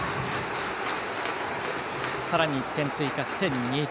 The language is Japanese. さらに１点追加して２点。